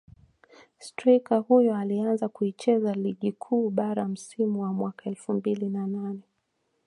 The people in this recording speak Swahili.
Streika huyo alianza kuicheza Ligi Kuu Bara msimu wa mwaka elfu mbili na nane